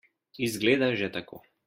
Izgleda že tako.